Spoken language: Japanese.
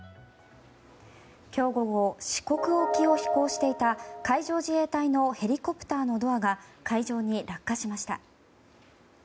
今日午後四国沖を飛行していた海上自衛隊のヘリコプターのドアが海上に落下しました。